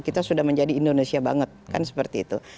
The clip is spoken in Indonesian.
kita sudah menjadi indonesia banget kan seperti itu